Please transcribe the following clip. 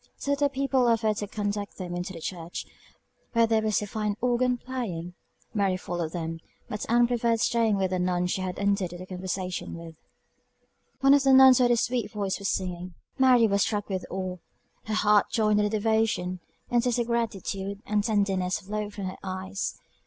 Some of the people offered to conduct them into the church, where there was a fine organ playing; Mary followed them, but Ann preferred staying with a nun she had entered into conversation with. One of the nuns, who had a sweet voice, was singing; Mary was struck with awe; her heart joined in the devotion; and tears of gratitude and tenderness flowed from her eyes.